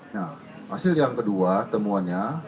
nah hasil yang kedua temuannya